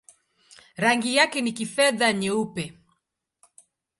Rangi yake ni kifedha-nyeupe.